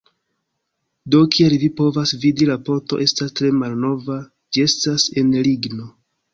Do, kiel vi povas vidi la ponto estas tre malnova ĝi estas el ligno